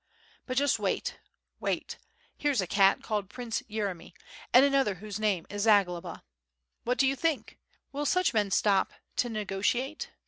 But just wait! wait! here^s a cat called Prince Yere my, and another whose name is Zagloba. What do you think? Will such men stop to negotiate?